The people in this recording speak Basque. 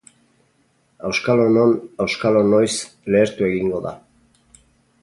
Auskalo non, auskalo noiz, lehertu egingo da.